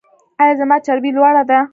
ایا زما چربي لوړه ده؟